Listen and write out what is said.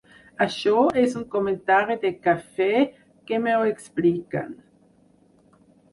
Això és un comentari de cafè, que m’ho expliquen.